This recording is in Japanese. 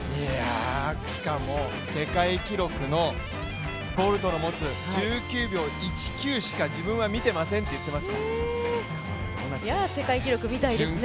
しかも、世界記録のボルトの持つ１９秒１９しか自分は見てませんって言ってますからこれ、どうなっちゃうんでしょうね